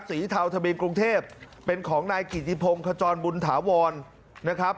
เทาทะเบียนกรุงเทพเป็นของนายกิติพงศ์ขจรบุญถาวรนะครับ